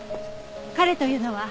彼というのは？